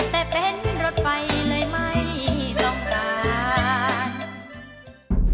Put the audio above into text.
แต่เป็นรถไฟเลยไม่ต้องการ